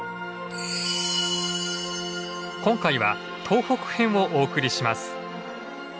今回は東北編をお送りします。